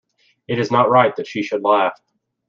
It is not right that she should laugh!